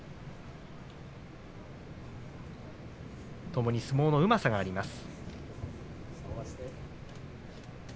ともに相撲のうまさがあります。